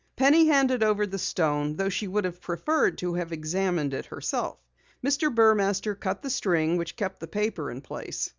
Penny handed over the stone though she would have preferred to have examined it herself. Mr. Burmaster cut the string which kept the paper in place.